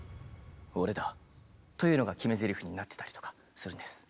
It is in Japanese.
というのが決めぜりふになってたりとかするんです。